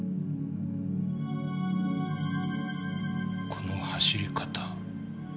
この走り方。